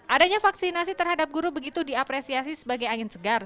adanya vaksinasi terhadap guru begitu diapresiasi sebagai angin segar